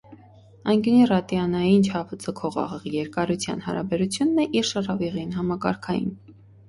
Անկիւնի «ռատիան»ային չափը ձգող աղեղի երկարութեան յարաբերութիւնն է իր շառաւիղին(համակարգային)։